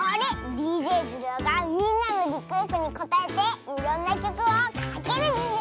ＤＪズルオがみんなのリクエストにこたえていろんなきょくをかけるズル。